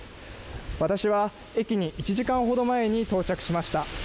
私は駅に１時間ほど前に到着しました。